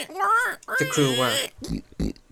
The crew were.